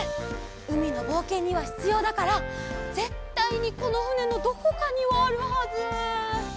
うみのぼうけんにはひつようだからぜったいにこのふねのどこかにはあるはず。